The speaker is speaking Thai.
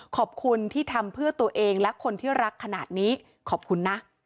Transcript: ขอบคุณที่ทำเพื่อตัวเองและคนที่รักขนาดนี้ขอบคุณนะ